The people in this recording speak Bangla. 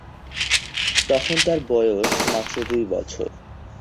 তখন তার বয়স মাত্র দুই বছর।